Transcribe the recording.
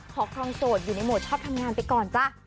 ครองโสดอยู่ในโหมดชอบทำงานไปก่อนจ้ะ